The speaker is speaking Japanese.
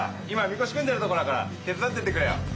今みこし組んでるとこだから手伝ってってくれよ。